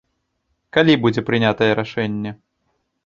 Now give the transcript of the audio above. Калі будзе прынятае рашэнне?